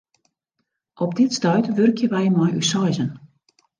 Op dit stuit wurkje wy mei ús seizen.